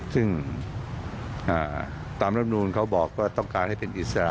ซึ่งตามรับนูลเขาบอกว่าต้องการให้เป็นอิสระ